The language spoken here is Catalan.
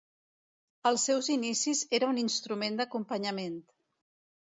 Als seus inicis era un instrument d'acompanyament.